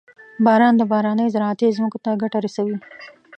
• باران د بارانۍ زراعتي ځمکو ته ګټه رسوي.